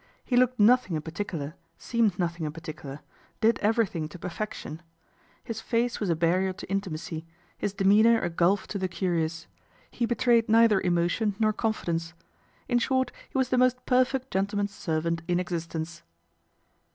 He looked nothing in particular, seemed nothing in particular, did everything to perfection. His face was a barrier to intimacy, his demeanour a gulf to 1 06 LORD PETER'S S.O.S. 107 the curious : he betrayed neither emotion nor confidence. In short he was the most perfect gentleman's servant in existence.